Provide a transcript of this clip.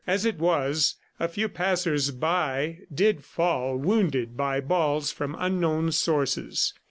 As it was, a few passers by did fall, wounded by balls from unknown sources.